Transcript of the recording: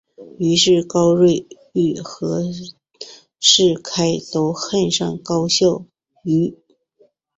于是高睿与和士开都恨上高孝瑜。